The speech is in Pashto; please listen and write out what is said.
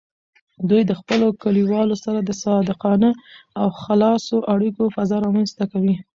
دوی د خپلو کلیوالو سره د صادقانه او خلاصو اړیکو فضا رامینځته کوي.